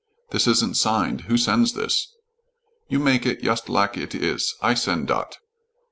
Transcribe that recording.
"This isn't signed. Who sends this?" "You make it yust lak it iss. I send dot."